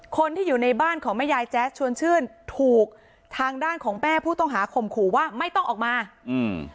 คนที่อยู่ในบ้านของแม่ยายแจ๊สชวนชื่นถูกทางด้านของแม่ผู้ต้องหาข่มขู่ว่าไม่ต้องออกมาอืม